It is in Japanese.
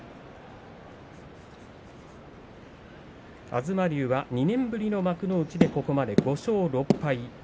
東龍は２年ぶりの幕内でここまで５勝６敗。